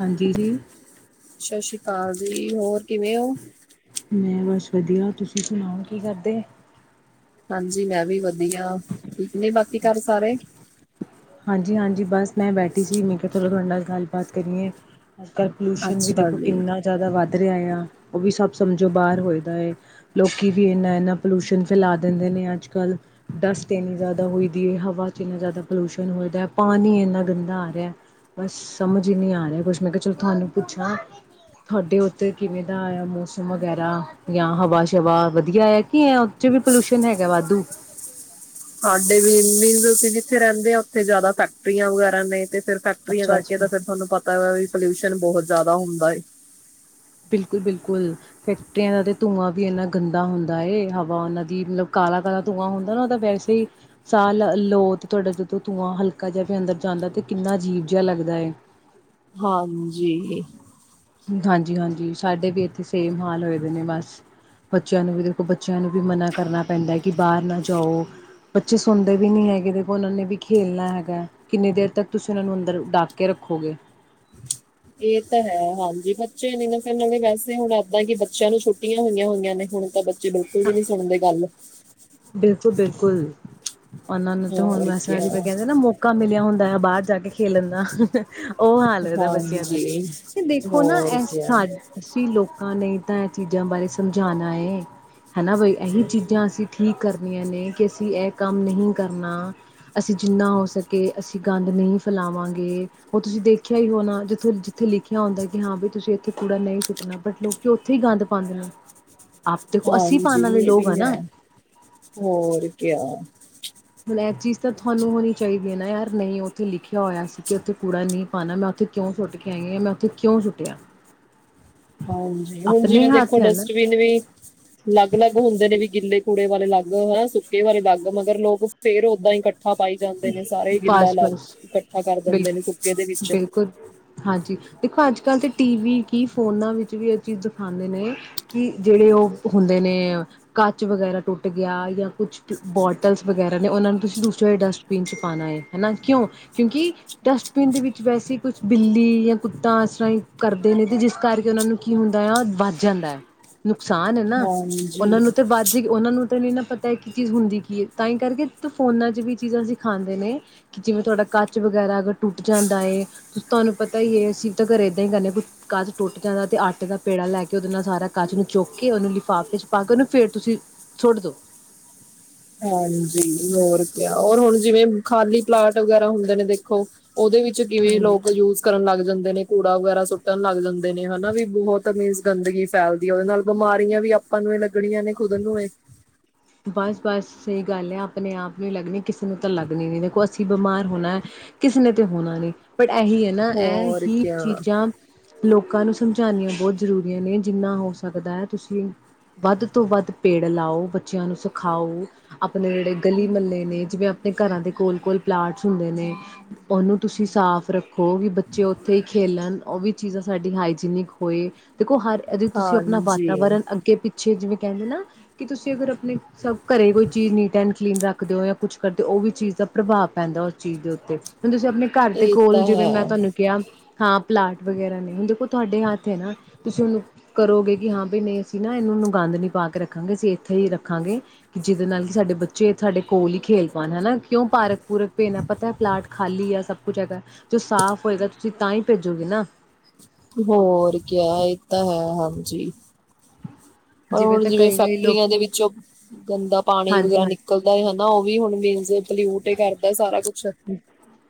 ਹਾਂਜੀ ਜੀ, ਸਤਿ ਸ੍ਰੀ ਅਕਾਲ। ਜੀ ਹੋਰ ਕਿਵੇਂ ਹੋ? ਮੈਂ ਬਸ ਵਧੀਆ ਤੁਸੀਂ ਸੁਣਾਓ ਕੀ ਕਰਦੇ? ਹਾਂਜੀ ਮੈਂ ਵੀ ਵ ਵਧੀਆਠੀਕ ਨੇ ਬਾਕੀ ਘਰ ਸਾਰੇ। ਜੀ ਹਾਂਜੀ ਬਸ ਮੈਂ ਬੈਠੀ ਸੀ ਮੈਂ ਕਿਹਾ ਚਲੋ ਤੁਹਾਡੇ ਨਾਲ ਗੱਲਬਾਤ ਕਰੀਏ। ਅੱਜਕੱਲ੍ਹ ਪੋਲਿਊਸ਼ਨ ਵੀ ਅੱਛਾ ਦੇਖੋ ਜੀ ਕਿੰਨਾ ਜ਼ਿਆਦਾ ਵੱਧ ਰਿਹਾ ਆ। ਉਹ ਵੀ ਸਭ ਸਮਝੋ ਬਾਹਰ ਹੋਏ ਦਾ ਹੈ, ਲੋਕੀ ਵੀ ਇੰਨਾ-ਇੰਨਾ ਪੋਲਿਊਸ਼ਨ ਫੈਲਾ ਦਿੰਦੇ ਨੇ ਅੱਜਕੱਲ੍ਹ। ਡਸਟ ਇੰਨੀ ਜ਼ਿਆਦਾ ਹੋਈ ਦੀ ਹੈ, ਹਵਾ 'ਚ ਇੰਨਾ ਜ਼ਿਆਦਾ ਪੋਲਿਊਸ਼ਨ ਹੋਈ ਦਾ ਪਾਣੀ ਇੰਨਾ ਗੰਦਾ ਆ ਰਿਹਾ, ਬਸ ਸਮਝ ਹੀ ਨਹੀਂ ਆ ਰਿਹਾ ਕੁਛ ਮੈਂ ਕਿਹਾ ਚਲੋ ਤੁਹਾਨੂੰ ਪੁੱਛਾਂ ਤੁਹਾਡੇ ਉੱਥੇ ਕਿਵੇਂ ਦਾ ਆਇਆ ਮੌਸਮ ਵਗੈਰਾ ਜਾਂ ਹਵਾ-ਸ਼ਵਾ ਵਧੀਆ ਹੈ ਕੀ ਹੈ ਉਹ ' ਵੀ ਪੋਲਿਊਸ਼ਨ ਹੈਗਾ ਵਾਧੂ। ਸਾਡੇ ਵੀ ਅਸੀਂ ਜਿਥੇ ਰਹਿੰਦੇ ਆ ਉੱਥੇ ਜਿਆਦਾ ਫੈਕਟਰੀਆਂ ਵਗੈਰਾ ਨੇ ਤੇ ਫਿਰ ਫੈਕਟਰੀਆਂ ਕਰਕੇ ਅੱਛਾ-ਅੱਛਾ ਫਿਰ ਤੁਹਾਨੂੰ ਪਤਾ ਵਾ ਵੀ ਪੋਲਿਊਸ਼ਨ ਬਹੁਤ ਜ਼ਿਆਦਾ ਹੁੰਦਾ ਏ। ਬਿਲਕੁਲ-ਬਿਲਕੁਲ ਫੈਂਕਟਰੀਆਂ ਦਾ ਤੇ ਧੂੰਆਂ ਵੀ ਇੰਨਾ ਗੰਦਾ ਹੁੰਦਾ ਏ ਹਵਾ ਉਹਨਾਂ ਦੀ ਮਤਲਬ ਕਾਲਾ-ਕਾਲਾ ਧੂੰਆਂ ਹੁੰਦਾ ਨਾ ਉਹ ਤਾਂ ਵੈਸੇ ਹੀ, ਸਾਹ ਲਉ ਤੇ ਤੁਹਾਡਾ ਜਦੋਂ ਧੂੰਆਂ ਹਲਕਾ ਜਿਹਾ ਵੀ ਅੰਦਰ ਜਾਂਦਾ ਤੇ ਕਿੰਨਾ ਅਜੀਬ ਜਿਹਾ ਲੱਗਦਾ ਏ। ਹਾਂਜੀ ਹਾਂਜੀ-ਹਾਂਜੀ ਸਾਡੇ ਵੀ ਇੱਥੇ ਸੇਮ ਹਾਲ ਹੋਏ ਦੇ ਨੇ ਬਸ। ਬੱਚਿਆਂ ਨੂੰ ਵੀ ਦੇਖੋ ਬੱਚਿਆਂ ਨੂੰ ਵੀ ਮਨਾ ਕਰਨਾ ਪੈਂਦਾ ਕਿ ਬਾਹਰ ਨਾ ਜਾਓ, ਬੱਚੇ ਸੁਣਦੇ ਵੀ ਨਹੀਂ ਹੈਗੇ ਦੇਖੋ ਉਹਨਾਂ ਨੇ ਵੀ ਖੇਲਣਾ ਹੈਗਾ, ਕਿੰਨੀ ਦੇਰ ਤੱਕ ਤੁਸੀਂ ਉਹਨਾਂ ਨੂੰ ਅੰਦਰ ਡੱਕ ਕੇ ਰੱਖੋਗੇ। ਇਹ ਤਾਂ ਹੈ ਹਾਂਜੀ ਬੱਚੇ ਨੀ ਨਾ ਫਿਰ ਨਾਲੇ ਵੈਸੇ ਹੁਣ ਇੱਦਾ ਕਿ ਬੱਚਿਆਂ ਨੂੰ ਛੁੱਟੀਆਂ ਹੋਈਆਂ-ਹੋਈਆਂ ਨੇ ਹੁਣ ਤਾਂ ਜੀ ਬਿਲਕੁਲ ਵੀ ਨੀ ਸੁਣਦੇ ਗੱਲ। ਬਿਲਕੁਲ-ਬਿਲ ਕੁਲ ਉਹਨਾਂ ਨੂੰ ਤੇ ਹੁਣ ਹੋਰ ਕੀ ਮਸਾ ਜੇ ਕਹਿੰਦੇ ਨਾ ਮੌਕਾ ਮਿਲਿਆ ਹੁਣ ਤਾਂ ਬਾਹਰ ਜਾ ਕੇ ਖੇਲਣ ਦਾ ਉਹ ਹਾਲ ਲੱਗਦਾ ਬੱਚਿਆਂ ਦਾ, ਹਾਂਜੀ ਤੇ ਦੇਖੋ ਨਾ ਹੋਰ ਕੀ ਅਸੀਂ ਲੋਕ ਨਹੀਂ ਤਾਂ ਇਹ ਚੀਜ਼ਾਂ ਬਾਰੇ ਸਮਝਾਉਣਾ ਏ, ਹਨਾ ਬਈ ਇਹੀ ਚੀਜ਼ਾਂ ਅਸੀਂ ਠੀਕ ਕਰਨੀਆਂ ਨੇ ਕਿ ਅਸੀਂ ਇਹ ਕੰਮ ਨਹੀਂ ਕਰਨਾ, ਅਸੀਂ ਜਿੰਨਾ ਹੋ ਸਕੇ ਅਸੀਂ ਗੰਦ ਨਹੀਂ ਫੈਲਾਵਾਂਗੇ। ਉਹ ਤੁਸੀਂ ਦੇਖਿਆ ਹੀ ਹੋਣਾ ਜਿੱਥੋਂ ਜਿੱਥੇ ਲਿਖਿਆ ਹੁੰਦਾ ਕਿ ਹਾਂ ਬਈ ਤੁਸੀਂ ਇੱਥੇ ਕੂੜਾ ਨਹੀਂ ਸੁੱਟਣਾ ਬਟ ਲੋਕੀ ਉੱਥੇ ਹੀ ਗੰਦ ਪਾਦੇ ਨੇ। ਆਪ ਦੇਖੋ ਅਸੀਂ ਹਾਂਜੀ ਪਾਣ ਆਲੇ ਇਹ ਲੋਕ ਆ ਵੀ ਹੈ ਨਾ। ਹੋਰ ਕਿਆ। ਹੁਣ ਇਹ ਚੀਜ਼ ਤਾਂ ਤੁਹਾਨੂੰ ਹੋਣੀ ਚਾਹੀਦੀ ਹੈ ਨਾ ਯਾਰ ਨਹੀਂ ਉੱਥੇ ਲਿਖਿਆ ਹੋਇਆ ਸੀ ਕਿ ਉੱਥੇ ਕੂੜਾ ਨਹੀਂ ਪਾਣਾ ਮੈਂ ਉੱਥੇ ਕਿਉਂ ਸੁੱਟ ਕੇ ਆਈ ਹਾਂ ਮੈਂ ਉੱਥੇ ਕਿਉਂ ਸੁੱਟਿਆ। ਹਾਂਜੀ ਹੁਣ ਆਪਣੇ ਜਿਵੇਂ ਹੱਥ ਦੇਖੋ ਹੈ ਨਾ ਡਸਟਬਿਨ ਵੀ ਅਲੱਗ-ਅਲੱਗ ਹੁੰਦੇ ਨੇ ਵੀ ਗਿੱਲੇ ਕੂੜੇ ਵਾਲੇ ਅਲੱਗ ਹਨਾ ਸੁੱਕੇ ਵਾਲੇ ਅਲੱਗ ਮਗਰ ਲੋਕ ਫੇਰ ਓਦਾਂ ਹੀ ਇਕੱਠਾ ਪਾਈ ਜਾਂਦੇ ਨੇ ਸਾਰੇ ਗਿੱਲਾ ਬਸ ਲੱਗ ਬਸ ਇਕੱਠਾ ਕਰ ਦਿੰਦੇ ਬਿਲਕੁਲ ਨੇ ਸੁੱਕੇ ਦੇ ਵਿੱਚ। ਬਿਲਕੁਲ ਹਾਂਜੀ ਦੇਖੋ ਅੱਜ ਕੱਲ੍ਹ ਤਾਂ ਟੀ ਵੀ ਕਿ ਫੋਨਾਂ ਵਿੱਚ ਵੀ ਇਹ ਚੀਜ਼ ਦਿਖਾਉਂਦੇ ਨੇ, ਕਿ ਜਿਹੜੇ ਉਹ ਹੁੰਦੇ ਨੇ ਕੱਚ ਵਗੈਰਾ ਟੁੱਟ ਗਿਆ ਜਾਂ ਕੁਛ ਬੋਟਲਸ ਵਗੈਰਾ ਨੇ ਉਹਨਾਂ ਨੂੰ ਤੁਸੀਂ ਦੂਸਰੇ ਡਸਟ ਬੀਨ 'ਚ ਪਾਣਾ ਹੈ ਹਨਾ ਕਿਉਂ, ਕਿਉਂਕਿ ਡਸਟਬਿਨ ਦੇ ਵਿੱਚ ਵੈਸੇ ਕੁਛ ਬਿੱਲੀ ਜਾਂ ਕੁੱਤਾ ਇਸ ਤਰ੍ਹਾਂ ਹੀ ਕਰਦੇ ਨੇ ਤੇ ਜਿਸ ਕਰਕੇ ਉਹਨਾਂ ਨੂੰ ਕੀ ਹੁੰਦਾ ਆ ਵੱਧ ਜਾਂਦਾ ਆ। ਨੁਕਸਾਨ ਹੈ ਨਾ, ਉਹਨਾਂ ਹਾਂਜੀ ਨੂੰ ਤੇ ਬਾਜ਼ੀ ਉਹਨਾਂ ਨੂੰ ਤੈਨੂੰ ਇਹ ਨਾ ਪਤਾ ਕੀ ਚੀਜ਼ ਹੁੰਦੀ ਕੀ ਹੈ ਤਾਂ ਹੀ ਕਰਕੇ ਫੋਨਾਂ 'ਚ ਵੀ ਇਹ ਚੀਜ਼ਾਂ ਅਸੀਂ ਦਿ ਖਾਂਦੇ ਨੇ ਕਿ ਜਿਵੇਂ ਤੁਹਾਡਾ ਕੱਚ ਵਗੈਰਾ ਅਗਰ ਟੁੱਟ ਜਾਂਦਾ ਹੈ ਤੁਹਾਨੂੰ ਪਤਾ ਹੀ ਹੈ ਅਸੀਂ ਤਾਂ ਘਰ ਏਦਾਂ ਹੀ ਕਰਦੇ ਕੱਚ ਟੁੱਟ ਜਾਂਦਾ ਤੇ ਆਟੇ ਦਾ ਪੇੜਾ ਲੈ ਕੇ ਓਦੇ ਨਾਲ ਸਾਰਾ ਕੱਚ ਨੂੰ ਚੁੱਕ ਕੇ ਉਹਨੂੰ ਲਿਫਾਫੇ ਚ' ਪਾ ਕੇ ਉਹਨੂੰ ਫੇਰ ਤੁਸੀਂ ਸੁੱਟ ਦੋ। ਹਾਂਜੀ ਹੋਰ ਕਿਆ ਔਰ ਹੁਣ ਜਿਵੇਂ ਖਾਲੀ ਪਲਾਟ ਵਗੈਰਾ ਹੁੰਦੇ ਨੇ ਦੇਖੋ ਉਹਦੇ ਵਿੱਚ ਕਿਵੇਂ ਹਾਂਜੀ ਲੋਕ ਯੂਜ ਕਰਨ ਲੱਗ ਜਾਂਦੇ ਨੇ। ਕੂੜਾ ਵਗੈਰਾ ਸੁੱਟਣ ਲੱਗ ਜਾਂਦੇ ਨੇ ਹਨਾ ਵੀ ਬਹੁਤ ਅਮੀਜ਼ ਗੰਦਗੀ ਫੈਲਦੀ ਹੈ ਉਹਦੇ ਨਾਲ ਬਿਮਾਰੀਆਂ ਵੀ ਆਪਾਂ ਨੂੰ ਇਹ ਲੱਗਣੀਆਂ ਨੇ ਖੁਦ ਨੂੰ ਇਹ। ਬਸ-ਬਸ ਸਹੀ ਗੱਲ ਹੈ ਆਪਣੇ ਆਪ ਨੂੰ ਹੀ ਲੱਗਣੀ ਕਿਸੇ ਨੂੰ ਤਾਂ ਲੱਗਣੀ ਨੀ ਦੇਖੋ ਅਸੀਂ ਬਿਮਾਰ ਹੋਣਾ ਕਿਸੇ ਨੇ ਤਾਂ ਹੋਣਾ ਨੀ। ਪਰ ਇਹੀ ਹੈ ਨਾ ਇਹ ਹੋਰ ਹੀ ਕਿਆ ਚੀਜ਼ਾਂ ਲੋਕਾਂ ਨੂੰ ਸਮਝਾਉਣੀਆਂ ਬਹੁਤ ਜ਼ਰੂਰੀਆਂ ਨੇ ਜਿੰਨਾ ਹੋ ਸਕਦਾ ਤੁਸੀਂ ਵੱਧ ਤੋਂ ਵੱਧ ਪੇੜ ਲਾਓ। ਬੱਚਿਆਂ ਨੂੰ ਸਿਖਾਓ, ਆਪਣੇ ਜਿਹੜੇ ਗਲੀ ਮਹੱਲੇ ਨੇ ਜਿਵੇਂ ਆਪਣੇ ਘਰਾਂ ਦੇ ਕੋਲ-ਕੋਲ ਪਲਾਂਟਸ ਹੁੰਦੇ ਨੇ ਉਹਨੂੰ ਤੁਸੀਂ ਸਾਫ਼ ਰੱਖੋ। ਉਹ ਵੀ ਬੱਚੇ ਉੱਥੇ ਹੀ ਖੇਲਣ। ਉਹ ਵੀ ਚੀਜ਼ਾਂ ਸਾਡੀ ਹਾਈਜੀਨਿਕ ਹੋਏ ਦੇਖੋ ਹਰ ਇਹਦੀ ਤੁਸੀਂ ਆਪਣਾ ਹਾਂਜੀ ਵਾਤਾਵਰਨ ਅੱਗੇ ਪੱਛੇ ਜਿਵੇਂ ਕਹਿੰਦੇ ਨਾ ਕਿ ਤੁਸੀਂ ਅਗਰ ਸਭ ਘਰੇ ਕੋਈ ਚੀਜ਼ ਨੀਟ ਐਂਡ ਕਲੀਨ ਰੱਖਦੇ ਹੋ ਜਾਂ ਕੁਛ ਕਰਦੇ ਹੋ ਉਹ ਵੀ ਚੀਜ਼ ਦਾ ਪ੍ਰਭਾਵ ਪੈਂਦਾ ਉਸ ਚੀਜ਼ ਦੇ ਉੱਤੇ ਹੁ ਤੁਸੀਂ ਆਪਣੇ ਘਰ ਦੇ ਇਹ ਕੋਲ ਤਾਂ ਜਿਵੇਂ ਮੈਂ ਹੈ ਤੁਹਾਨੂੰ ਕਿਹਾ ਹਾਂ ਪਲਾਟ ਵਗੈਰਾ ਨੇ ਹੁਣ ਦੇਖੋ ਤੁਹਾਡੇ ਹੱਥ ਹੈ ਨਾ ਤੁਸੀਂ ਉਹਨੂੰ ਕਰੋਗੇ ਕਿ ਹਾਂ ਵੀ ਨਹੀਂ ਅਸੀਂ ਨਾ ਇਹਨੂੰ ਗੰਦ ਨ ਪਾ ਕੇ ਰੱਖਾਂਗੇ ਅਸੀਂ ਇੱਥੇ ਹੀ ਰ ਰਖਾਂਗੇ ਕਿ ਜਿਹਦੇ ਨਾਲ ਕਿ ਸਾਡੇ ਬੱਚੇ ਸਾਡੇ ਕੋਲ ਹੀ ਖੇਲ ਪਾਉਣ ਹਨਾ ਕਿਉਂ ਪਾਰਕ ਪੂਰਕ ਭੇਣਾ ਪਤਾ ਪਲਾਟ ਖਾਲੀ ਆ ਸਭ ਕੁਛ ਹੈਗਾ ਜੋ ਸਾਫ਼ ਹੋਏਗਾ ਤੁਸੀਂ ਤਾਂ ਹੀ ਭੇਜੋਗੇ ਨਾ ਹੋਰ ਕ ਇਹ ਤਾਂ ਹੈ ਹਾਂਜੀ ਪਰ ਹੁਣ ਤਾਂ ਜਿਵੇਂ ਕਈ ਕਈ ਫੈਕਟਰੀਆਂ ਦੇ ਲੋਕੀ ਵਿੱਚੋਂ ਗੰਦਾ ਪਾਣੀ ਹਾਂਜੀ ਵਗੈਰਾ ਹਾਂਜੀ ਨਿਕਲਦਾ ਹਨਾ ਉਹ ਵੀ ਹੁਣ ਮੀਨ ਪਲਿਊਟ ਕਰਦਾ ਸਾਰਾ ਕੁਛ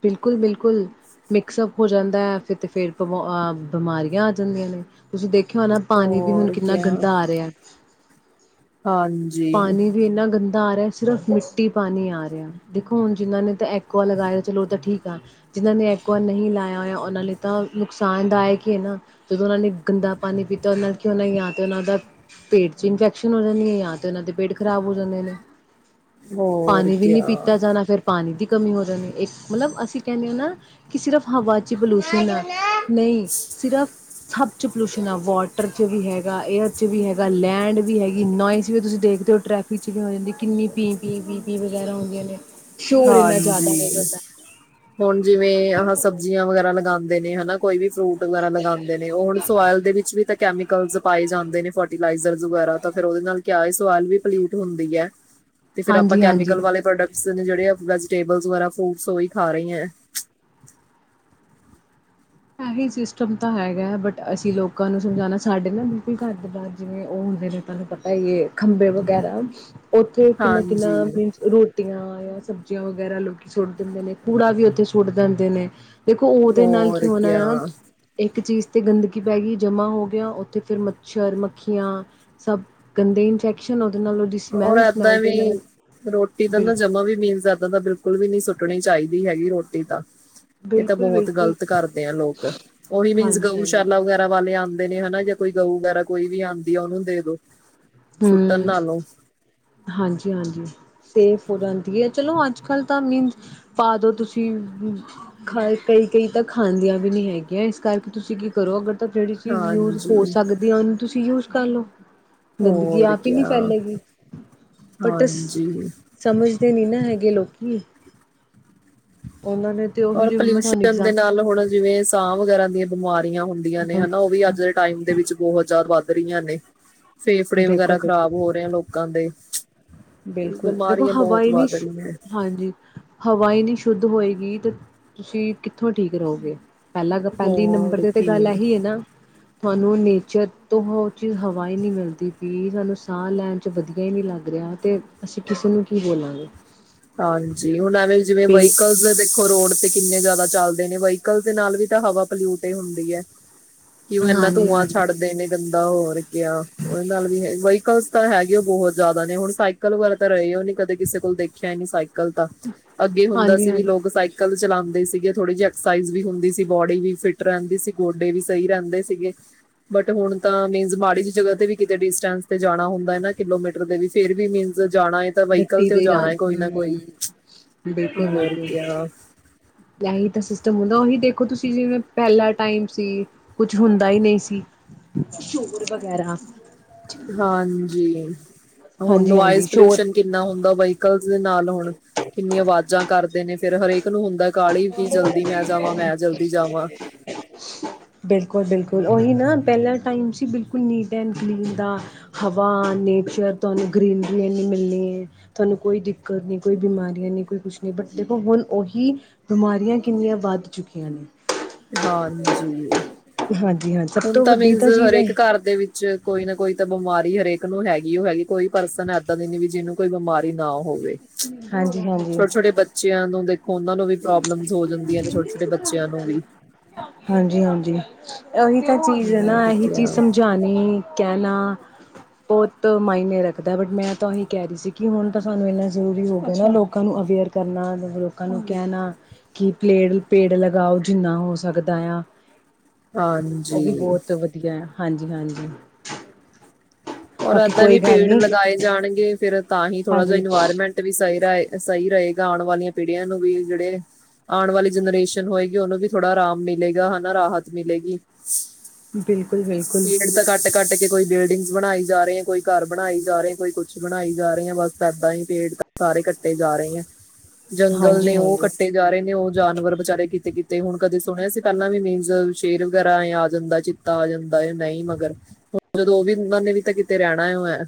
ਬਿਲਕੁਲ ਬਿਲਕੁਲ ਮਿਕਸਅਪ ਹੋ ਜਾਂਦਾ ਹੈ ਫਿਰ ਤੇ ਫੇਿਰ ਬਹ ਬਿਮਾਰੀਆਂ ਆ ਜਾਂਦੀਆਂ ਨੇ ਤੁਸੀਂ ਦੇਖਿਓ ਨਾ ਪਾਣੀ ਵੀ ਹੁਣ ਹੋਰ ਕਿੰਨਾ ਕਿਆ ਗੰਦਾ ਆ ਰਿਹਾ ਹਾਂਜੀ ਪਾਣੀ ਵੀ ਇੰਨਾ ਗੰਦਾ ਆ ਰਿਹਾ ਸਿਰਫ਼ ਮਿੱਟੀ ਪਾਣੀ ਆ ਰਿਹਾ ਦੇਖੋ ਹੁਣ ਜਿਨਾਂ ਨੇ ਤਾਂ ਲਗਾਆ ਚੋ ਉਹ ਤਾਂ ਠੀਕ ਜਿਹਨਾਂ ਨੇ ਇੱਕ ਵਾਰ ਨਹੀਂ ਲਾਇਆ ਹੋਇਆ ਉਹਨਾਂ ਨੇ ਤਾਂ ਨੁਕਸਾਨਦਾਇਕ ਕੀ ਹੈ ਨਾ ਜਦੋਂ ਉਹਨਾਂ ਨੇ ਗੰਦਾ ਪਾਣੀ ਪੀਤਾ ਉਹਨਾਂ ਨਾਲ ਕੀ ਹੋਣਾ ਯਾ ਤੇ ਉਹਨਾਂ ਦਾ ਪੇਟ ਚ ਇਨਫੈਕਸ਼ਨ ਹੋ ਜਾਂਣੀ ਹੈ ਯਾ ਇਹਨਾਂ ਦੇ ਪੇਟ ਖ਼ਰਾਬ ਹੋ ਜਾਂਦੇ ਨੇ ਹੋਰ ਪਾਣੀ ਵੀ ਨਹੀਂੀ ਕਿਆ ਪੀਤਾ ਜਾਣਾ ਫੇਿਰ ਪਾਣੀ ਦੀ ਕਮੀ ਹੋ ਜਾਂਦੀ ਇੱਕ ਮਤਲਬ ਅਸੀਂ ਕਹਿੰਦੇ ਹ ਨਾ ਕਿ ਸਿਰਫ ਹਵਾ ਚ ਬਲੂਸ਼ ਆ ਨਹੀਂ ਸਿਰਿਰਫ ਸਭ ਚ ਪੋਲਿਊਸ਼ਨ ਆ ਵਾਟਰ ਚ ਵੀ ਹੈਗਾ ਏਅਰ ਚ ਵੀ ਹੈਗਾ ਲੈਂਡ ਵੀ ਹੈਗੀ ਨੋਇਜ਼ ਜਵੇਂ ਤੁਸੀਂ ਦੇਖਦੇ ਹੋ ਟ੍ਰੈਫਿਕ ਚ ਵੀ ਹੋ ਜਾਂਦੀ ਕਿੰਨੀ ਪੀ ਪੀ ਪੀ ਪੀ ਵਗੈਰਾ ਹੁੰਦੀਆਂ ਨੇ ਸ਼ੋਰ ਇੰਨਾ ਜ਼ਿਆਦਾ ਹੋ ਹਾਂਜੀ ਜਾਂਦਾ ਹੈ। ਹੁਣ ਜਿਵੇਂ ਆਾਂ ਸਬਜ਼ੀਆਂ ਵਗੈਰਾ ਲਗਾਦੇ ਦੇ ਨੇ ਹਨਾ ਕੋਈ ਵੀ ਫਰੂਟ ਵਗੈਰਾ ਲਗਾਉਂਦੇ ਨੇ ਉਹ ਹੁਣ ਸੋਇਲ ਦੇ ਵਿੱਚ ਵੀ ਤਾਂ ਕੈਮੀਕਲਸ ਪਾਏ ਜਾਂਦੇ ਨੇ ਫਰਟੀਲਾਈਜ਼ਰ ਵਗੈਰਾ ਤਾਂ ਫੇਿਰ ਉਹਦੇ ਨਾਲ ਕਿਆਏ ਸੋਇਲ ਵੀ ਪਲਿਊਟ ਹੁੰਦੀ ਹੈ ਤੇ ਫਿਰ ਆਪਾਂ ਹਾਂਜੀ ਹਾਂਜੀ ਕੈਮੀਕਲ ਵਾਲੇ ਪ੍ਰੋਡਕਟਸ ਜਿਹੜੇ ਵੈਜੀਟੇਬਲਸ ਵਗੈਰਾ ਫਰੂਟਸ ਉਹਹੀ ਖਾ ਰਹੀ ਹੈ ਇਹੀ ਸਿਸਟਮ ਤਾਂ ਹੈਗਾ ਬਟ ਅਸੀਂ ਲੋਕਾਂ ਨੂੰ ਸਮਝਾਉਣਾ ਸਾਡੇ ਨਾ ਬਿਲਕੁਲ ਘਰ ਦੇ ਬਅਰ ਜਿਵੇਂ ਉਹ ਹੁੰਦੇ ਨੇ ਤੁਹਾਨੂੰ ਪਤਾ ਹੀ ਖੰਭੇ ਵਗੈਰਾ ਉੱਥੇ ਕਿੰਨਾ ਕਿੰਨਾ ਹਾਂਜੀ ਮੀਨਸ ਰੋਟੀਆਂ ਜਾਂ ਸਬ ਕਚੀਆਂ ਵਗੈਰਾ ਲੋਕੀ ਸੁੱਟ ਦਿੰਦੇ ਨੇ ਕੂੜਾ ਵੀ ਉੱਥੇ ਸੁੱਟ ਦਿੰਦੇ ਨੇ ਦੇਖੋ ਉਹਦੇ ਨਾਲ ਹੋਰ ਕਿਆ ਇੱਕ ਜਿਸ ਚੀਜ਼ ਤੇ ਗੰਦਗੀ ਪੈ ਗਈ ਜਮਾ ਹੋ ਗਿਆ, ਉੱਥੇ ਫਿਰ ਮੱਛਰ, ਮੱਖੀਆਂ ਸਭ ਗੰਦੇ ਇਨਫੈਕਸ਼ਨ ਨਾਲ ਉਹਦੀ ਹੁਣ ਸਮੈਲ ਸਮੈਲ ਇਦਾਂ ਵੀ ਦੇ ਨਾਲ ਰੋਟੀ ਤਾਂ ਨਾ ਬਿਲਕੁਲ ਜਮਾਂ ਵੀ ਮੀਨਸ ਇਦਾਂ ਤਾਂ ਬਿਲਕੁਲ ਵੀ ਨਹੀਂ ਸੁੱਟਣੀ ਚਾਹੀਦੀ ਹੈਗੀ ਰੋਟੀ ਤਾਂ ਇਹ ਤਾਂ ਬਿਲਕੁਲ ਬਹੁਤ ਬਿਲਕੁਲ ਗ਼ਲਤ ਕਰਦੇ ਆ ਲੋਕ ਉਹੀ ਮੀਨਸ ਹਾਂਜੀ ਹਾਂਜੀ ਗਊਸ਼ਾਲਾ ਵਗੈਰਾ ਵਾਲੇ ਆਉਂਦੇ ਨੇ ਹਨ। ਕੋਈ ਗਊ ਵਗੈਰਾ ਕੋਈ ਵੀ ਆਉਂਦੀ ਆ ਉਹਨੂੰ ਦੇ ਦੋ ਸੁੱਟਣ ਨਾਲੋਂ ਹਾਂਜੀ-ਹਾਂਜੀ ਸੇਫ ਹੋ ਜਾਂਦੀ ਹੈ, ਚਲੋ ਅੱਜ ਕੱਲ ਤਾਂ ਮੀਨਸ ਪਾ ਦੋ ਤੁਸੀਂ ਕਈ ਕਈ ਤਾਂ ਖਾਂਦੀਆਂ ਵੀ ਨਹੀ ਹੈਗੀਆਂ ਇਸ ਕਰਕੇ ਤੁਸੀਂ ਕੀ ਕਰੋ ਅਗਰ ਮਤਲਬ ਜਿਹੜੀ ਚੀਜ਼ ਯੂਜ ਹੋ ਹਾਂਜੀ ਸਕਦੀ ਆ, ਉਹਨੂੰ ਤੁਸੀਂ ਯੂਜ਼ ਕਰਲੋ ਗੰਦਗੀ ਹੋਰ ਆਪ ਹੀ ਨਹੀਂ ਕਿਆ ਫੈਲੇਗੀ, ਬਟਸ ਹਾਂਜੀ ਸਮਝਦੇ ਨੀ ਇਹਨਾਂ ਹੈਗੇ ਲੋਕੀ ਉਹਨਾਂ ਨੇ ਤੇ ਉਹੀ ਔਰ ਜਿਵੇਂ ਮੈਂ ਤੁਹਾਨੂੰ ਪੋਲਿਊਸ਼ਨ ਦੇ ਇਗਜ਼ਾਮ ਨਾਲ ਹੁਣ ਜਿਵੇਂ ਸਾਹ ਵਗੈਰਾ ਦੀਆਂ ਬਿਮਾਰੀਆਂ ਹੁੰਦੀਆਂ ਨੇ ਹਨਾ, ਉਹ ਵੀ ਅੱਜ ਦੇ ਟਾਈਮ ਦੇ ਵਿੱਚ ਬਹੁਤ ਜਿਆਦਾ ਵੱਧ ਹਰੀਆਂ ਨੇ ਫੇਫੜੇ ਬਿਲਕੁਲ ਵਗੈਰਾ ਬਿਲਕੁਲ ਖ਼ਰਾਬ ਹੋ ਰਹੇ ਆ ਲੋਕਾਂ ਦੇ ਬਿਲਕੁਲ, ਦੇਖੋ ਬਿਮਾਰੀਆਂ ਬਹੁਤ ਹਵਾਈ ਨੀ ਵੱਧ ਰਹੀਆਂ ਹਾਂਜੀ ਹਵਾਈ ਨੀ ਸ਼ੁੱਧ ਹੋਏਗੀ ਤੇ ਤੁਸੀਂ ਕਿੱਥੋਂ ਠੀਕ ਰਹੋਗੇ! ਪਹਿਲਾਂ- ਪਹਿਲੀ ਹੋਰ ਨੰਬਰ ਤੇ ਗੱਲ ਕੀ ਇਹੀ ਹੈ, ਨਾ ਤੁਹਾਨੂੰ ਨੇਚਰ ਤੋਂ ਉਹ ਚੀਜ਼ ਹਵਾਈ ਨਹੀਂ ਮਿਲਦੀ ਪੀ ਸਾਨੂੰ ਸਾਹ ਲੈਣ ਚ ਵਧੀਆ ਹੀ ਨਹੀਂ ਲੱਗ ਰਿਹਾ ਤੇ ਅਸੀਂ ਕਿਸੇ ਨੂੰ ਕੀ ਬੋਲਾਂਗੇ! ਹਾਂਜੀ। ਹੁਣ ਐਵੇਂ ਜਿਵੇਂ ਤੇ ਵਹੀਕਲ ਦੇਖੋ ਰੋਡ 'ਤੇ ਕਿੰਨੇ ਜ਼ਿਆਦਾ ਚੱਲਦੇ ਨੇ ਵਹੀਕਲ ਦੇ ਨਾਲ ਵੀ ਤਾਂ ਹਵਾ ਪਲਿਊਟ ਹੀ ਹੁੰਦੀ ਹੈ। ਕਿ ਉਹ ਇਨਾ ਹਾਂਜੀ ਧੂੰਆਂ ਹਾਂਜੀ ਛੱਡਦੇ ਨੇ ਗੰਦਗੀ ਤਾਂ ਹੋਰ ਆ ਗਿਆ ਇਨਾਂ ਦੇ ਨਾਲ ਵੀ ਵਹੀਕਲ ਇੱਕ ਤਾਂ ਹੈਗੇ ਵੀ ਬਹੁਤ ਜਿਆਦਾ ਨੇ ਹੁਣ ਸਾਈਕਲ ਵਾਲਾ ਤਾਂ ਰਹੇ ਹੋ ਨਹੀਂ ਕਦੇ ਕਿਸੇ ਕੋਲ ਦੇਖੇ ਚੈਨ ਸਾਈ ਕਲ ਤਾਂ ਅੱਗੇ ਹੁੰਦਾ ਹਾਂਜੀ ਸੀ, ਵੀ ਹਾਂਜੀ ਲੋਕ ਸਾਈਕਲ ਚਲਾਉਂਦੇ ਸੀ। ਅੱਗੇ ਤਾਂ ਥੋੜੀ ਜਿਹੀ ਐਕਸਾਈਜ਼ ਵੀ ਹੁੰਦੀ ਸੀ, ਬਾਡੀ ਵੀ ਫਿਟ ਰਹਿੰਦੀ ਸੀ, ਗੋਡੇ ਵੀ ਸਹੀ ਰਹਿੰਦੇ ਸੀਗੇ, ਬਟ ਹੁਣ ਤਾਂ ਮੀਨਸ ਮਾੜੀ ਜਿਹੀ ਜਗ੍ਹਾ ਤੇ ਵੀ ਕਿਤੇ ਡਿਸਟੈਂਸ ਤੇ ਜਾਣਾ ਹੁੰਦਾ, ਨਾ ਕਿਲੋਮੀਟਰ ਦੇ ਵੀ ਫਿਰ ਵੀ ਮੀਨਸ ਜੇ ਜਾਣਾ ਏ ਤਾਂ ਵਹੀਕਲ ਤੇ ਹੀ ਜਾਣਾ ਏ ਹੂੰ ਬਿਲਕੁਲ- ਬਿਲਕੁਲ ਕਿਆ ਤਾਂ ਹੀਂ ਤਾਂ ਸਿਸਟਮ ਹੁੰਦਾ ਉਹੀ ਦੇਖ ਦੇਖੋ ਤੁਸੀਂ ਜਿਵੇਂ ਪਹਿਲਾ ਟਾਈਮ ਸੀ ਕੁਝ ਹੁੰਦਾ ਹੀ ਨਹੀਂ ਸੀ ਸ਼ੋਰ ਵਗੈਰਾ ਹਾਂਜੀ ਹੁਣ ਹਾਂਜੀ ਹਾਂਜੀ ਨੋਇਜ਼ ਸ਼ੋਰ ਪੋਲਿਊਸ਼ਨ ਕਿੰਨਾ ਹੁੰਦਾ ਬਾਈ ਨਕਲ ਦੇ ਨਾਲ ਹੋਣ ਕਿੰਨੀ ਆਵਾਜ਼ਾਂ ਕਰਦੇ ਦੇ ਨੇ ਫਿਰ ਹਰੇਕ ਨੂੰ ਹੁੰਦਾ ਕਾਹਾਲਲੀ ਕਿ ਜਲਦੀ ਮੈਂ ਜਾਵਾਂ ਮੈਂ ਜਲਦੀ ਜਾਵਾਂ ਬਿਲਕੁਲ ਬਿਲਕੁਲ ਉਹੀ ਨਾ ਪਹਿਲਾਾਂ ਟਾਈਮ ਸੀ ਬਿਲਕੁਲ ਨੀਟ ਐਂਡ ਕਲੀਨ ਦਾ ਹਵਾ ਨੇਚਰ ਤੁਹਾਨੂੰ ਗਰੀਨਰੀ ਐਨੀ ਮਿਲਣੀ ਹੈ ਤੁਹਾਨੂੰ ਕੋਈ ਦਿੱਕਤ ਨਹੀਂ ਕੋਈ ਬਿਮਾਰੀਆਂ ਨਹੀਂ ਕੋਈ ਕੁਛ ਨਹੀਂ ਬਟ ਦੇਖੋ ਹੁਣ ਉਹੀ ਬਿਮਾਰੀਆਂ ਕਿੰਨੀਆਂ ਵੱਧ ਚੁੱਕੀਆਂ ਨੇ ਹਾਂਜੀ ਹਾਂਜੀ ਹਾਂ ਸਭ ਹੁਣ ਤੋਂ ਤਾਂ ਵੱਡੀ ਮੀਨਜ਼ ਚੀਜ਼ ਹੈ ਹਰੇਕ ਘਰ ਦੇ ਵਿੱਚ ਕੋਈ ਨਾ ਕੋਈ ਤਾਂ ਬਿਮਾਰੀ ਹਰੇਕ ਨੂੰ ਹੈਗੀ ਉਹ ਹੈਗੀ ਕੋਈ ਪਰਸਨ ਇਦਾਂ ਦੀ ਨ ਵੀ ਜਿਹਨੂੰ ਕੋਈ ਬਿਮਾਰੀ ਨਾ ਹੋਵੇ ਹਾਂਜੀ ਹਾਂਜੀ ਛੋਟੇ ਛੋਟੇ ਬੱਚਿਆਂ ਨੂੰ ਦੇ ਉਹਨਾਂ ਨੂੰ ਵੀ ਪ੍ਰੋਬਲਮਸ ਹੋ ਜਾਂਦੀਆਂ ਨੇ ਛੋਟੇ ਛੋਟੇ ਬੱਚਿਆਂ ਨੂੰ ਵੀ ਹਾਂਜੀ ਹਾਂਜੀ ਇਹੀ ਤਾਂ ਚੀਜ਼ ਹੈ ਨਾ ਹੋਰ ਇਹੀ ਚੀਜ਼ ਕਿਆ ਸਮਝਾਉਣੀ ਕਹਿਣਾ ਬਹੁਤ ਮਾਇਨੇ ਰੱਖਦਾ ਬਟ ਮੈਂ ਤਾਂ ਇਹੀ ਕਹਿ ਰਹੀ ਸੀ ਕਿ ਹੁਣ ਤਾਂ ਸਾਨੂੰ ਇੰਨਾ ਜ਼ਰੂਰੀ ਹੋ ਗਿਆ ਨਾ ਲੋਕਾਂ ਨੂੰ ਅਵੇਅਰ ਕਰਨਾ ਲੋਕਾਂ ਨੂੰ ਕਹਿਣਾ ਕਿ ਪਲੇੜ ਪੇੜ ਲਗਾਓ ਜਿੰਨਾ ਹੋ ਸਕਦਾ ਆ ਉਹ ਹਾਂਜੀ ਵੀ ਬਹੁਤ ਵਧੀਆ ਆ ਹਾਂਜੀ ਹਾਂਜੀ ਔਰ ਬਾਕੀ ਏਦਾਂ ਕੋਈ ਵੀ ਗੱਲ ਪੇੜ ਨਹੀਂ ਲਗਾਏ ਜਾਣਗੇ ਫੇਿਰ ਤਾਂ ਹੀ ਥੋੜਾ ਜਹਾ ਹਾਂਜੀ ਇਨਵਾਇਰਮੈਂਟ ਵੀ ਸਹੀ ਰ ਹੈ ਸਹੀ ਰਹੇਗਾ ਆਉਣ ਵਾਲੀਆਂ ਪੀੜ੍ਹੀਆਂ ਨੂੰ ਵੀ ਜਿਹੜੇ ਆਉਣ ਵਾਲੀ ਜਨਰੇਸ਼ਨ ਹੋਏਗੀ ਉਹਨੂੰ ਵੀ ਥੋੜ੍ਹਾ ਆਰਾਮ ਮਿਲੇਗਾ ਹਨਾ ਰਾਹਤ ਮਿਲੇਗੀ ਬਿਲਕੁਲ ਬਿਲਕੁਲ ਪੀੜ ਤਾਂ ਕੱਟ ਕੱਟ ਕੇ ਕੋਈ ਬਿਲਡਿੰਗ ਬਣਾਈ ਜਾ ਰਹੇ ਆ ਕੋਈ ਘਰ ਬਣਾਈ ਜਾ ਰਹੇ ਕੋਈ ਕੁੱਛ ਬਣਾਈ ਜਾ ਰਹੀ ਹੈ ਬਸ ਇਏਦਾਂ ਹੀ ਪੇਟ ਸਾਰੇ ਕੱਟੇ ਜਾ ਰਹੇ ਹੈ ਜੰਗਲ ਹਾਂਜੀ ਨੇ ਉਹ ਹਾਂਜੀ ਕੱਟੇ ਜਾ ਰਹੇ ਨੇ ਉਹ ਜਾਨਵਰ ਵਿਚਾਰੇ ਕਿਤੇ ਕਿਤੇ ਹੁਣ ਕਦੇ ਸੁਣਿਆ ਸੀ ਪਹਿਲਾਂ ਵੀ ਮੀਨ ਸ਼ੇਰ ਵਗੈਰਾ ਐ ਆ ਜਾਂਦਾ ਚਿੱਤਾ ਆ ਜਾਂਦਾ ਨਹੀਂ ਮਗਰ ਹੁਣ ਜਦੋਂ ਉਹ ਵੀ ਉਹਨਾਂ ਨੇ ਵੀ ਤਾਂ ਤੇ ਰਹਿਣਾ ਹੈ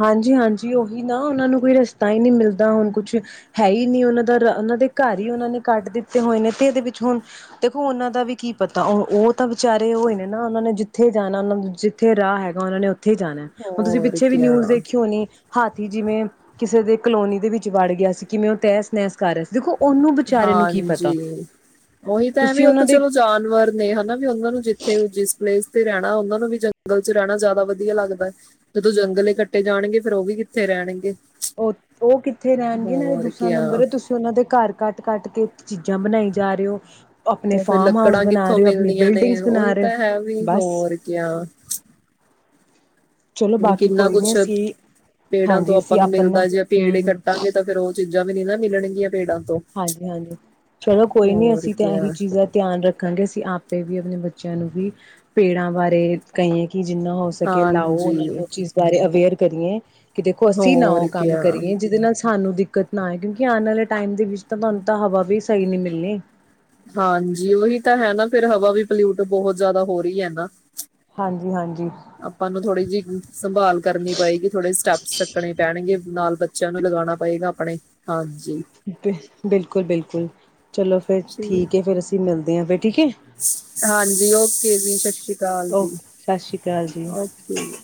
ਹਾਂਜੀ ਹਾਂਜੀ ਉਹੀ ਨਾ ਉਹਨਾਂ ਨੂੰ ਕੋਈ ਰਸਤਾ ਹੀ ਨਹੀਂੀ ਮਿਲਦਾ ਹੁਣ ਕੁਛ ਹੈ ਹੀ ਨਹੀਂੀ ਉਹਨਾਂ ਦਾ ਉਹਨਾਂ ਦੇ ਘਰ ਹੀ ਉਹਨਾਂ ਨੇ ਕੱਟ ਦਿੱਤੇ ਹੋਏ ਨੇ ਤੇ ਇਹਦੇ ਵਿੱਚ ਹੁਣ ਦੇਖੋ ਉਹਨਾਂ ਦਾ ਵੀ ਕੀ ਪਤਾ ਉਹ ਤਾਂ ਵਿਚਾਰੇ ਹੋਏ ਨੇ ਨਾ ਉਹਨਾਂ ਨੇ ਜਿੱਥੇ ਜਾਣਾ ਉਹਨਾਂ ਜਿੱਥੇ ਰਾਹ ਹੈਗਾ ਉਹ ਨੇ ਕਿੱਥ ਜਾਣਾ ਹਣ ਤੁਸੀਂ ਹੋਰ ਪਿੱਛੇ ਵੀ ਕਿਆ ਨਿਊਜ਼ ਦੇਖੀ ਹੋਣੀ ਹਾਥੀ ਜਿਵੇਂ ਕਿਸੇ ਦੇ ਕਲੋਨੀ ਦੇ ਵਿੱਚ ਵੜ ਗਿਆ ਸੀ ਕਿਵੇਂ ਉਹ ਤੈਸ ਨਹਿਸ ਕਰ ਰਿਹਾ ਸੀ ਦੇਖੋ ਉਹਨੂੰ ਵਿਚਾਰੇ ਨੂੰ ਕੀ ਪਤਾ ਹਾਂਜੀ ਉਹੀ ਤਾਂ ਹੈ ਤੁਸੀਂ ਵੀ ਉਹ ਉਹਨਾਂ ਤਾਂ ਦੇ ਚਲੋ ਜਾਨਵਰ ਨੇ ਹਨਾ ਵੀ ਉਹਨਾਂ ਨੂੰ ਜਿੱਥੇ ਜਿਸ ਪਲੇਸ ਤੇ ਰਹਿਣਾ ਉਹਨਾਂ ਨੂੰ ਵੀ ਜੰਗਲ ਚ ਰਹਿਣਾ ਜ਼ਿਆਦਾ ਵਧੀਆ ਲੱਗਦਾ ਹੈ ਜਦੋਂ ਜੰਗਲ ਇਕੱਟੇ ਜਾਣਗੇ ਫੇਰ ਉਹ ਵੀ ਕਿੱਥੇ ਰਹਿਣਗੇ ਉਹ ਉਹ ਕਿੱਥੇ ਰਹਿਣਗੇ ਇਹ ਨਾ ਹੋਰ ਦੂਸਰਾ ਕਿਆ ਨੰਬਰ ਤੁਸੀਂ ਉਹਨਾਂ ਦੇ ਘਰ ਕੱਟ ਕੱਟ ਕੇ ਚੀਜ਼ਾਂ ਬਣਾਈ ਜਾ ਰਹੇ ਹੋ। ਆਪਣੇ ਉਹ ਫਿਰ ਫਾਰਮ ਹਾਊਸ ਲੱਕੜਾਂ ਬਣਾ ਕਿੱਥੋਂ ਰਹੇ ਹੋ ਆਪਣੀ ਮਿਲਦੀਆਂ ਨੇ ਬਿਲਡਿੰਗਸ ਬਣਾ ਉਹੀ ਰਹੇ ਤਾਂ ਹੈ ਹੋ ਵੀ ਬਸ ਹੋਰ ਕਿਆ। ਚਲੋ ਹੁਣ ਬਾਕੀ ਕਿੰਨਾ ਕੋਈ ਨੀ ਕੁਛ ਅਸੀਂ ਪੇੜਾਂ ਤੋਂ ਹਾਂਜੀ ਆਪਾਂ ਅਸੀਂ ਨੂੰ ਆਪਣਾ ਮਿਲਦਾ ਜੇ ਹਮ ਪੇੜੇ ਹਮ ਕੱਟਾਂਗੇ ਤਾਂ ਫੇਰ ਉਹ ਚੀਜ਼ਾਂ ਵੀ ਨਹੀਂ ਨਾ ਮਿਲਣਗੀਆਂ ਭੇੜਾਂ ਹਾਂਜੀ, ਹਾਂਜੀ ਚਲੋ ਕੋਈ ਨੀ ਹੋਰ ਅਸੀਂ ਤਾਂ ਇਹੀ ਕਿਆ ਚੀਜ਼ ਦਾ ਧਿਆਨ ਰੱਖਾਂਗੇ, ਅਸੀਂ ਆਪੇ ਵੀ ਆਪਣੇ ਬੱਚੇ ਬੱਚਿਆਂ ਨੂੰ ਵੀ ਪੇੜਾਂ ਬਾਰੇ ਕਈਏ ਕਿ ਜਿੰਨਾ ਹੋ ਸਕੇ ਲਾਓ, ਉਹਨਾ ਨੂੰ ਹਾਂਜੀ ਉਹ ਚੀਜ਼ ਬਾਰੇ ਅਵੇਅਰ ਕਰੀਏ। ਕਿ ਦੇਖੋ ਅਸੀਂ ਨਾ ਉਹ ਹੋਰ ਕੰਮ ਕਿਆ ਕਰੀਏ ਜਿਹਦੇ ਨਾਲ ਸਾਨੂੰ ਦਿੱਕਤ ਨਾ ਆਏ, ਕਿਉਂਕਿ ਆਣ ਵਾਲੇ ਟਾਈਮ ਦੇ ਵਿੱਚ ਤਾਂ ਸਾਨੂੰ ਤਾਂ ਹਵਾ ਵੀ ਸਹੀ ਨੀ ਮਿਲਣੀ। ਹਾਂਜੀ ਉਹੀ ਤਾਂ ਹੈ ਨਾ ਫਿਰ ਹਵਾ ਵੀ ਪਲਿਊਟ ਬਹੁਤ ਜ਼ਿਆਦਾ ਹੋ ਰਹੀ ਹੈ ਨਾ। ਹਾਂਜੀ ਹਾਂਜੀ ਆਪਾਂ ਨੂੰ ਥੋੜ੍ਹੀ ਜਿਹੀ ਸੰਭਾਲ ਕਰਨੀ ਪਏਗੀ, ਥੋੜੇ ਜ ਸਟੈਪਸ ਚੱਕਣੇ ਪੈਣਗੇ ਨਾਲ ਬੱਚਿਆਂ ਨੂੰ ਲਗਾਣਾ ਪਏਗਾ ਆਪਣੇ ਹਾਂਜੀ। ਬਿਲਕੁਲ-ਬਿਲਕੁਲ ਚਲੋ ਫੇਰ ਠੀਕ ਐ, ਫੇਰ ਅਸੀਂ ਮਿਲਦੇ [inaudible] ਹਾਂਜੀ ਓਕੇ ਜੀ ਸਸ ਰੀ ਅਕਾਲ ਜੀ, ਓਕੇ ਸਤਿ ਸ਼੍ਰੀ ਅਕਾਲ ਜੀ ਓਕੇ ਜੀ।